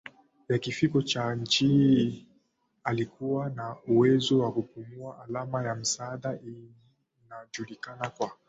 ya kifo chake nchi alikuwa na uwezo wa kupumua alama ya misaada Inajulikana kuwa